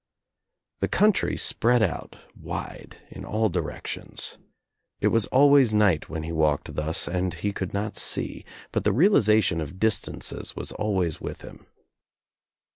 The country spread out, wide, in all directions. It was always night when he walked thus and he could not see, but the realization of distances was always with him.